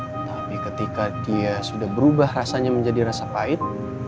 tetapi ketika dia sudah berubah rasanya menjadi rasa pahit